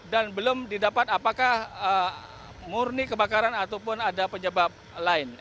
dan belum didapat apakah murni kebakaran ataupun ada penyebab lain